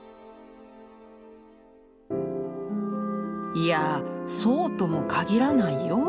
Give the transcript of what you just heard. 「いやそうとも限らないよ。